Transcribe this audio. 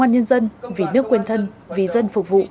đấy hơn hơn là vì dân